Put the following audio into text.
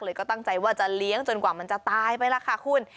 ก็ตั้งใจว่าจะเลี้ยงจนกว่ามันจะตายไปแล้วค่ะคุณ